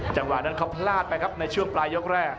จังหวะนั้นเขาพลาดไปครับในช่วงปลายยกแรก